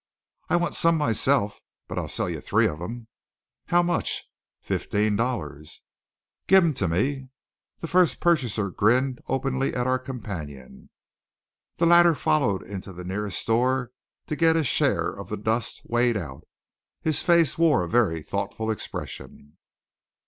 "I want some myself, but I'll sell you three of them." "How much?" "Fifteen dollars." "Give 'em to me." The first purchaser grinned openly at our companion. The latter followed into the nearest store to get his share of the dust weighed out. His face wore a very thoughtful expression.